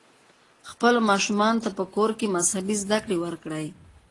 خپلو ماشومانو ته په کور کې مذهبي زده کړې ورکړئ.